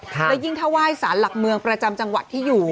และยิ่งถ้าไหว้สารหลักเมืองประจำจังหวัดที่อยู่